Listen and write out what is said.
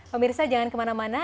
pemirsa jangan kemana mana